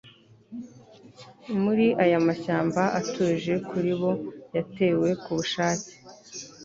muri aya mashyamba atuje kuri bo yatewe kubushake